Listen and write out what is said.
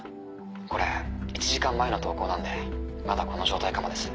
これ１時間前の投稿なんでまだこの状態かもです。